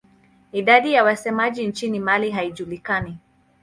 Idadi ya wasemaji nchini Mali haijulikani.